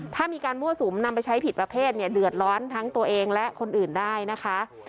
ถ้ามีการมั่วสุมนำไปใช้ผิดประเภทเนี่ยเดือดร้อนทั้งตัวเองและคนอื่นได้นะคะ